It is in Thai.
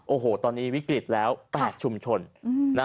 โอ้โหตอนนี้วิกฤตแล้ว๘ชุมชน